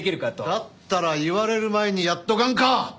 だったら言われる前にやっておかんか！